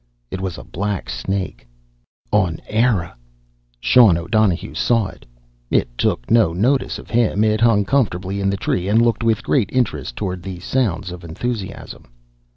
It was a black snake. On Eire! Sean O'Donohue saw it. It took no notice of him. It hung comfortably in the tree and looked with great interest toward the sounds of enthusiasm.